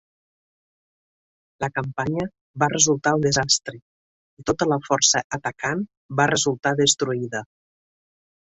La campanya va resultar un desastre i tota la força atacant va resultar destruïda.